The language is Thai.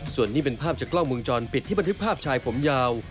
ส่วนนี้เป็นภาพจากกล้องวงจรปิดที่บันทึกภาพชายผมยาว